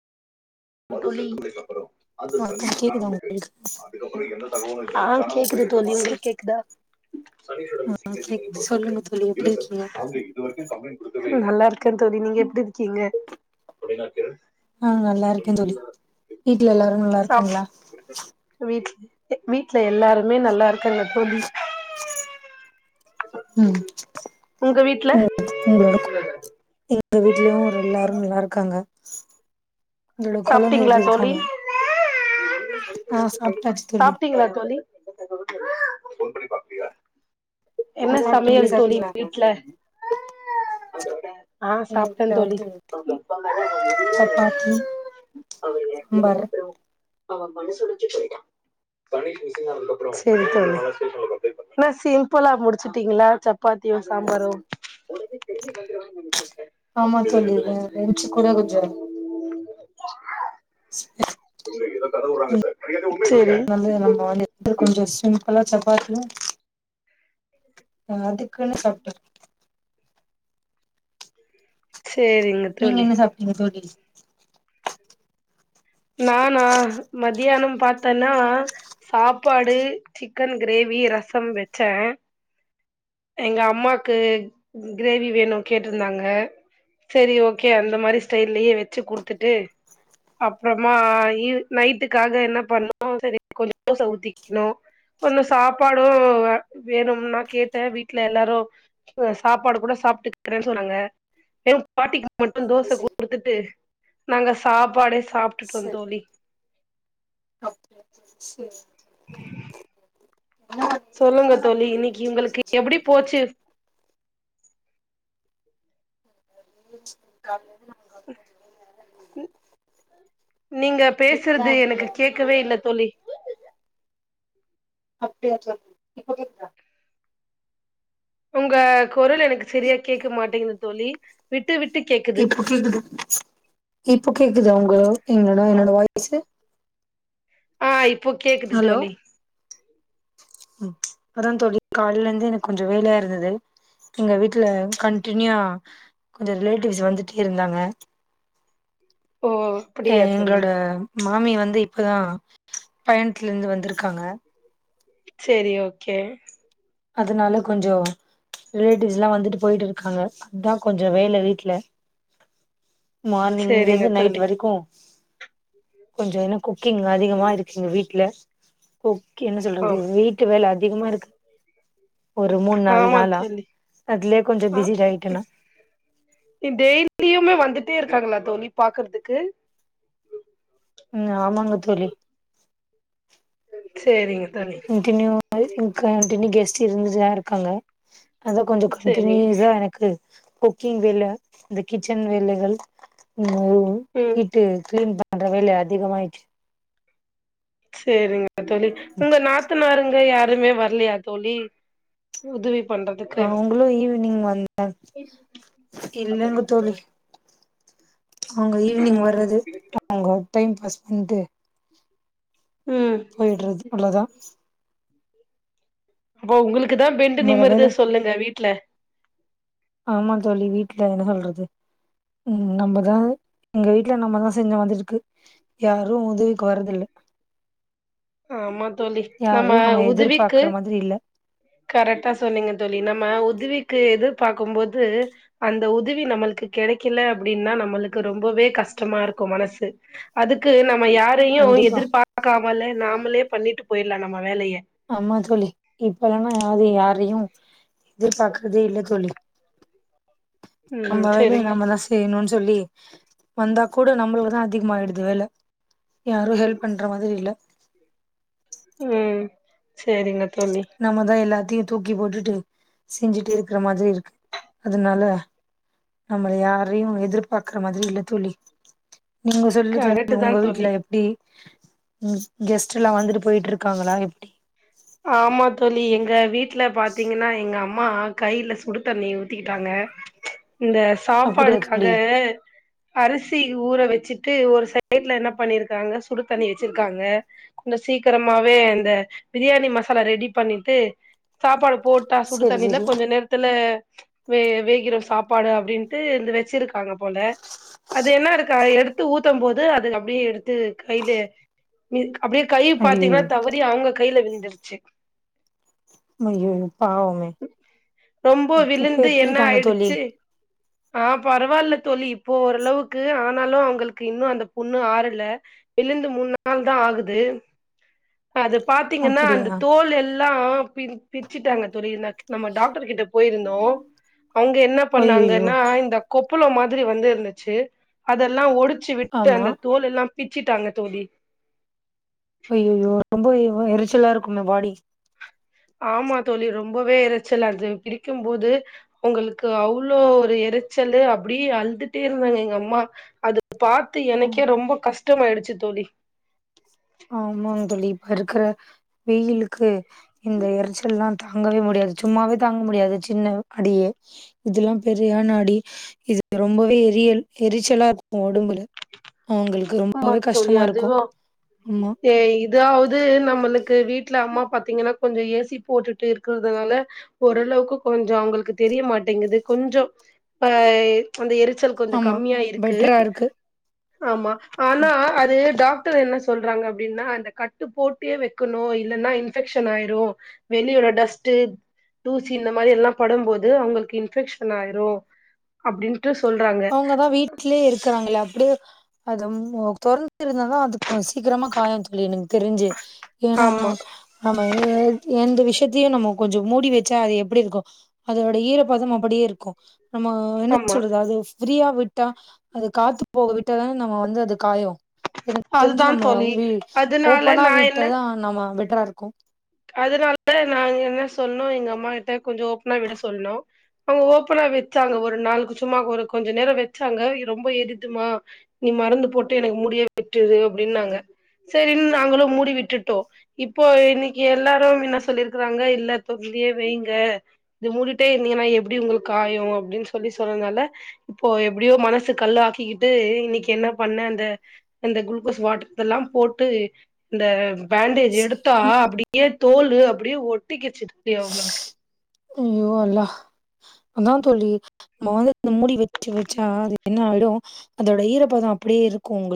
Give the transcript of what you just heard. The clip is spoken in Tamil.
தோழி வணக்கம் கேக்குதா உங்களுக்கு ஆ கேக்குது தோழி உங்களுக் கேக்குதா ஆ கேக்குது சொல்லுங்க தோழி எப்டி இருக்கீங்க நல்லாருக்க தோழி நீங்க எப்டி இருக்கீங்க? நானு நல்லாருக்கே தோழி வீட்ல எல்லாரு சாப் நல்லாருக்காங்ளா? வீட் வீட்ல எல்லாருமே நல்லாருக்காங்க தோழி ம் உங்க வீட்ல [inaudible] எங்க வீட்லயு ஒரு எல்லாரு நல்லாரு க்காங்க உங்களோட குழந்தை சாப்ட்டீங்களா எப்படி தோழி இருக்காங்க ஆஹ் சாப்பிட்டாச்சு தோழி போன் பண்ணி பாக்கலியா என்ன ஆ சாப்ட்டே சமையல் நீங்க தோழி சாப்ட்டீங்களா வீட்டு்ல ஆஹ் எங்க சாப்பிட்டேன் வீட்ல தோழி வந்து சப்பாத்தி சாம்பார் சிம்பிளா முடிச்சுட்டீங்களா சப்பாத்தியும் சாம்பாரும் ஆச்சு ஆமா தோழி நீங்க லஞ்சு கூட கொஞ்சம் ஸமி அதான்ஙக சார் மரியாத ந நம்ம வந்து கொஞ்சம் சிம்பளா பாத்துல அதுக்குன்னு சாப்பிட்ட செரிங்க நீங்க தோழி என்ன சாப்ட்டீங்க தோழி நானா மத்தியானம் பாத்தேன்னா சாப்பாடு சிக்கன் கிரேவி ரசம் வச்சேன் எங்க அம்மாக்கு கிரேவி வேணும் கேட்டுருந்தாங்க செரி ஓகே அந்த மாதிரி ஸ்டைல்லயே வச்சு குடுத்துட்டு அப்புறமா நைட்டுக்காக என்ன பண்ணும் சரி கொஞ்ச தோசஊத்திக்கணும் கொன்ஜம் சாப்பாடும் வேணும்னா கேட்டேன் வீட்டுல எல்லாரும் சாப்பாடு கூட சாப்பிட்டுக்கிறேன்னு சொன்னாங்க பாட்டிக்கு மட்டும் தோசை சரி ஊத்தி கொடுத்துட்டு நாங்க சாப்பாடே சாப்பா சொல் சரி தோழி செரி மாதிரி சொல்லுங்க என்ன மாதிரி தோழி பிரிவு இன்னைக்கு எக்ஸாம் உங்களுக்கு செஞ்சீங்க எப்படி போச்சு ஆ நீங்க இப்பதான் பேசுறது எங்க எனக்கு கேக்க கேக்கவே இல்ல தோழி அப்படியா தோழி இப்ப கேக்குதா உங்க குரல் எனக்கு சரியா கேட்க மாட்டேங்குதுங்க தோழி விட்டு விட்டு கேக்குது இப்போ கேக்குது இப்போ கேக்குதா உங்களுக்கு என்னோட என்னோட வாய்ஸு ஆஹ் இப்போ கேக்குது ஹலோ தோழி ம் இப்போப்பதான் தோழி காலையில இருந்து எனக்கு கொஞ்சம் வேலையா இருந்தது எங்க வீட்டுல கண்டனியூா கொஞ்சம் ரிலேட்டிவ்ஸ் வந்துட்டே இருந்தாங்க ஓ எ அப்படியா தோழி எங்களோட மாமி வந்து இப்பதா பயணத்துல இருந்து வந்திருக்காங்க சேரி ஓகே அதனால கொஞ்சோ ரிலேட்டிவ்ஸ்லா வந்துட்டு போயிட்டு இருக்காங்க த்தா கொஞ்சோ வேல வீட்டுல மார்னிங்ல சேரிங்க இருந்து நைட் தோழி வரைக்கு கொஞ்சோ ஏன்னா குக்கிங் அதிகமா இருக்கீங்க வீட்டுல கு கு என்ன ஓ சொல்றது வீட்டு வேல அதிகமா இருக்கு ஒரு மூணு நாள் ஆமா நாளா தோழி அதுலயே கொஞ்சோ ஆ பிஸிட் ஆயிட்டேனா கிட்ட இருக்காங்களா தோழி பாக்குறதுக்கு உ ஆமா ங்க தோழி சேரிங்க தோழி கன்டியூ கியூ கெஸ்ட் இருந்துச்ச க்காங்க அதா கொஞ்சோ சேரி கண்டடினியூஸா எனக்கு குக்கிங் வேல இந்த கிச்சன் வேலைகள் அ வரு ம் ஹட்டு கிளீன் ப பன்ற வெல அதிகமா ஆயிச்சு சேரிங்க தோழி உங்க நாத்து நாருங்க யாருமே வரலையா தொளி உதவி பண்றதுக்கு அவங்களு ஈவினிங் வந்தே இல்லங்க தோழி அவங்க ஈவினிங் வர்றது அவங்க டைம் பாஸ் உன்ட் ம் போய்ட்றது அவ்ளதா அப்போ உங்களுக் க்குதா பெண்டு நம்ம வேல நிமுறது சொல்லுங்க வீட்ல ஆமா தோழி வீட்டுல என்ன சொல்றது உ நம்மதா இங்க வீட்டுல நம்மதா செஞ்சு வந்துருக்கு யாரு உதவிக்கு வரதில்ல ஆமா தோழி நம்ம யாரையு உதவிக்கு எதிர்பாக்குற மாதிரி இல்ல கரெக்டா சொன்னீங்க தோழி நம்ம உ உதவிக்கு எதிர்பார்க்கம்போது அந்த உதவி நம்மளுக்கு கெடைக்கல அப்டின்னா நம்மளுக்கு ரொம்பவே கஷ்டமா இருக்கு மனசு அதுக்கு நம் நம்ம யாரையு கண்டிப்பா எதிர்பார்க்காமல நாமளே பண்ணிட்டு போயிர்லா நம்ம வேலைய ஆமா தோழி இப்பல்லானா யாரு யாரையு எதிர்பாக்குறதே இல்ல தோழி ம் நம்ம வேலைய சரிங்க நம்மதா செய்யனுன் சொல்லி வந்தா கூட நம்மளுகுதா அதிகமாயிடுது வேல யாரு ஹெல்ப் பண்ற மாதிரி இல்ல ம் சேரிங்க நம்மதா எல்லா த்தையு தூக்கி போட்டுட்டு செஞ்சுட்டு இருக்குற மாதிரி இருக்கு அதுனால நம்ம யாரையு எதிர்பாக்குற மாதிரி இல்ல தோழி நீங்க சொல்லு கரெக்ட் தோழி தா உங்க தோழி வீட்ல எப்டி? ம்‌ கெஸ்ட்டெலா வந்துட்டு போயிட்ருக்காங்களா எப்டி? ஆமா தோழி எங்க வீட் ல பாத்தீங்கன்னா எங்க அம் மா கைல சுடு தண்ணி ஊத்திக்கிட்டாங்க இந்த அப்டியா சாப்பாடுக்காக தோழி அரிசி ஊற வச்சிட்டு ஒரு சைட்ல என்ன பண்ணிருக்காங்க சுடு தண்ணி வச்சிருக்காங்க கொஞ்ச சீக்கிரமாவே அந்த பிரியாணி மசாலா ரெடி பண்ணிட்டு சாப்பாடு போட்டா சுடு செரி தண்ணில செரி கொஞ்ச நேரத்துல வே வேகிறு சாப்பாடு அப்டின்ட்டு இந்த வச்சிருக் காங்க போல அ து என்னா இருக்கா எடுத்து ஊத்தம் போது அது அப்டியே எடுத்து கைலே அப்டியே கை பாத்தீங்னா ஐயயோ தவறி அவுங்க கைல விழுந்துருச்சு அய்யயோ பாவொ ரொம்ப விழுந்து எப்டி என்ன இருக்காங்க தோழி ஆயிடுச்சு ஆ பரவால்ல தோழி இப்போ ஓரளவுக்கு ஆனாலு அவுங்களுக்கு இன்னு அந்த புண்ணு ஆறல விழுந்து மூண் நாள் தா ஆகுது அது பாத்தீங்கன்னா அந்த அப்டியா தோல் எல் லா பின் பிச்சிட்டாங்க தோழி நக் நம்ம டாக்டர் கிட்ட போயிருந்தோ அவுங்க என்ன ஐயயோ பண்ணாங்கன்னா இந்த கொ ப்புளொ மாதிரி வந்து இருந்துச்சு அதெல்லா ஒடு சி விட்டு ஆமா அந்த தோல் எல்லாம் பிச்சுட்டாங்க தோழி ஐய்யயோ ரொம்பவே எரிச்சலா இருக்குமே பாடி ஆமா தோழி ரொம்பவே இறச்சலா அது பிரிக்கும்போது அவுங்களுக்கு அவ்ளோ ஒரு இறச்சல்லு அப்படியே அழுதுட்டே இருந்தாங்க எங்க அம்மா அது பாத்து ம் எனக்கே ரொம்ப கஷ் டமாயிடுச்சு தோழி ஆமா தோழி இப்ப இருக்கிற வெய்யிலுக்கு இந்த எரிச்சல் எல்லா தாங்கவே முடியாது சும்மாவே தாங்க முடியாது சின்ன அடியே இததெல்லாம் பெரியான அடி இது ரொம்பவே எரியல் எரிச்சலா இருக்கும் உடம்புல அவுங்களுக்கு ரொம்பவே கஷ்டமா இருக்கும் ஏய் இதாவது நம்ம ளுக்கு வீட்டுல அம்மா பாத்தீங்கன்னா கொஞ்சம் ஏ சி போட்டுட்டு இருக்குறதுனால ஓரளவுக்கு கொஞ்சம் அவுங்களுக்கு தெரிய மாட்டேங்குது கொஞ்சம் அ அந்த எரிச்சல் கொஞ்சம் ஆமா கம்மியா இருக்கு பெட்டரா இருக்கு ஆமா ஆனா அது டாக் டர் என்ன சொல்றாங்க அப்படின்னா அந்த கட்டு போட்டே வைக்கணும் இல்லைன்னா இன்ஃபெக்ஷன் ஆயிரும் வெளியோட டஸ்ட் தூசி இந்த மாதிரி எல்லாம் படும்போது அவுங்களுக்கு இன்ஃபெக்ஷன் ஆயிரும் அப்படின்னுட்டு அவுங்கதான் வீட்லேயே இருக்கறாங்கள அப்படியே அது திறந்து இருந்தாதான் அதுக்கு சீக்கிரமா காயும் தோழி எனக்கு தெரிஞ்சு ஏன்னா ஆமா ஆமா எந்த விஷயத் தையும் நம்ம கொஞ்சம் மூடி வச்சா அது எப்படி இருக்கும் அதோட ஈரப்பதம் அப்படியே இருக்கும் நம்ம என்ன ஆமா சொல்றது அது ஃப்ரீயா விட்டா அது காத்து போக விட்டாதானே நம்ம வந்து அது காயம் எனக்கு தெரிஞ்சு அதுதா நம்ம தோழி அதனால ஓப்பனா நா என்ன வீட்ட தான் நம்ம வெ எதா இருக்கும் அதனால நாங்க என்ன சொன்னோம் எங்க அம்மா கிட்ட கொஞ்சம் ஓப்பனா விட சொன்னோம் அவுங்க ஓப்பனா வச்சாங்க ஒரு நாளுக்கு சும்மா ஒரு கொஞ்ச நேரம் வச்சாங்க ரொம்ப எரிதுமா நீ மருந்து போட்டு எனக்கு முடியே விட்டுரு அப்டின்னாங்க சரின்னு நாங்களும் மூடி விட்டுட்டோம் இப்போ இன்னைக் கு எல்லாரும் என்ன சொல்லிருக்கறாங்க இல்ல தொறந்தே வைங்க இது மூடிட்டே இருந்தீங்கன்னா எப்படி உங்களுக்கு காயும் அப்படின்னு சொல்லி சொன்னதுனால இப்போ எப்படியோ மனசு கல்லாக்கிக்கிட்டு இன்னைக்கு என்ன பண்ண அந்த அ குளுக்கோஸ் வாட்டர் இதெல்லாம் போட்டு இந்த பேண்டேஜ் எடுத்தா சரி அப்டி யே தோல் அப்படியே ஒட் டிக்கிச்சு பிரியா அவுங்களுக்கு ஐய்யோ அல்லாஹ் அதான் தோழி [unintelligible] இந்த முடி வெச்சு வச்சா என்ன ஆயிடும் அதோட ஈரப்பதம் அப்படியே இருக்கும் உங்களுக்